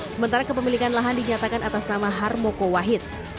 sementara kepemilikan lahan dinyatakan atas nama harmoko wahid